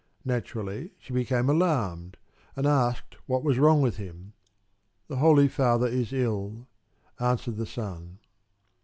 Naturally she became alarmed and asked what was wrong with him. "The Holy Father is ill," answered the son.